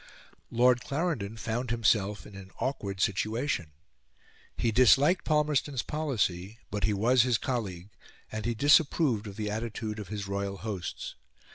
Lord Clarendon found himself in an awkward situation; he disliked Palmerston's policy, but he was his colleague, and he disapproved of the attitude of his royal hosts.